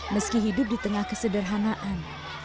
meski hidup di tengah kesederhanaan